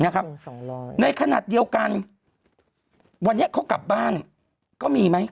ในขณะเดียวกันวันนี้เขากลับบ้านก็มีไหม